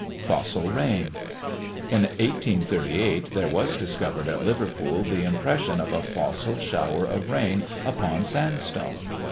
"FOSSIL RAIN." In 1838, there was discovered at Liverpool, the impression of a fossil shower of rain upon sandstone.